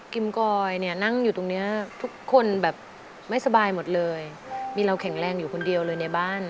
กอยเนี่ยนั่งอยู่ตรงนี้ทุกคนแบบไม่สบายหมดเลยมีเราแข็งแรงอยู่คนเดียวเลยในบ้าน